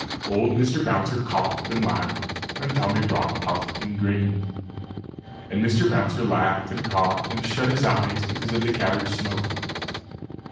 Old Mr. Bouncer coughed and laughed; and Tommy Brock puffed and grinned. And Mr. Bouncer laughed and coughed, and shut his eyes because of the cabbage smoke....